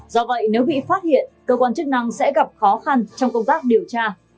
do vậy nếu bị phát hiện cơ quan chức năng sẽ gặp khó khăn trong công tác điều tra